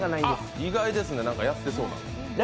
意外ですね、やってそうですが。